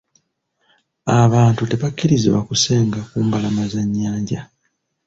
Abantu tebakkirizibwa kusenga ku mbalama za nnyanja.